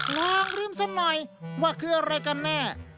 ลองลืมซะหน่อยว่าคืออะไรกันแน่